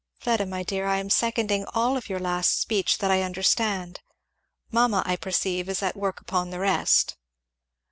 Fleda my dear, I am seconding all of your last speech that I understand. Mamma, I perceive, is at work upon the rest."